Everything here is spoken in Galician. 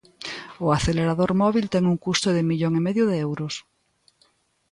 O acelerador móbil ten un custo de millón e medio de euros.